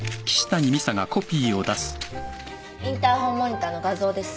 インターホンモニターの画像です。